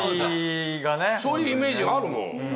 そういうイメージがあるの。